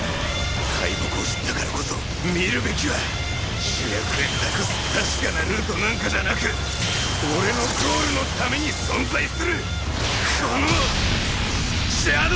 敗北を知ったからこそ見るべきは主役へと託す確かなルートなんかじゃなく俺のゴールのために存在するこの邪道！